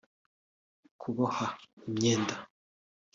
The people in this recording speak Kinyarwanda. kuboha imyenda